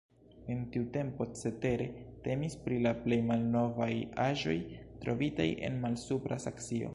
En tiu tempo cetere temis pri la plej malnovaj aĵoj trovitaj en Malsupra Saksio.